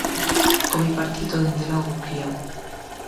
O Bipartito, dende logo, críao.